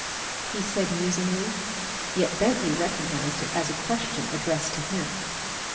he said musingly, yet Bentley recognized it as a question addressed to him.